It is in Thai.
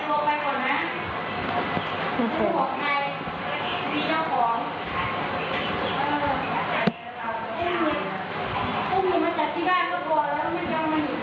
ก็ต้องหยุดไปแล้วไหมค่ะ